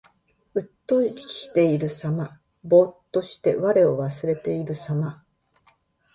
うっとりしているさま。ぼうっとして我を忘れているさま。